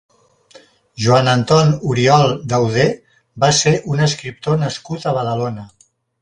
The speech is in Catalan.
Joan Anton Oriol Dauder va ser un escriptor nascut a Badalona.